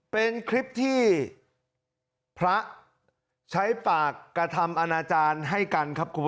เป็นคลิปที่พระใช้ปากกระทำอาณาจารย์ให้กันครับคุณผู้ชม